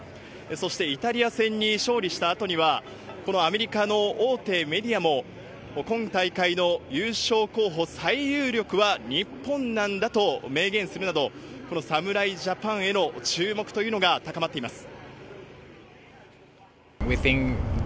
そしてイタリア戦に勝利したあとには、このアメリカの大手メディアも、今大会の優勝候補最有力は日本なんだと明言するなど、この侍ジャパンへの注目というのが高まっています。